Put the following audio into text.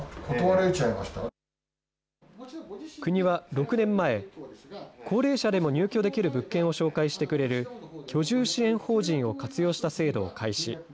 ６年前、高齢者でも入居できる物件を紹介してくれる、居住支援法人を活用した制度を開始。